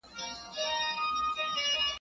تر پښو لاندي مځکه مه گوره ليري واټ گوره.